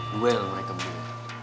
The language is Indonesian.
duel mereka berdua